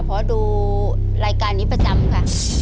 เพราะดูรายการนี้ประจำค่ะ